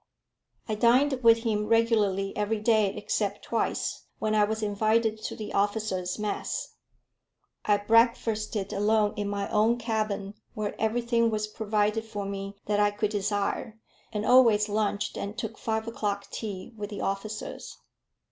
I dined with him regularly every day except twice, when I was invited to the officers' mess. I breakfasted alone in my own cabin, where everything was provided for me that I could desire, and always lunched and took five o'clock tea with the officers.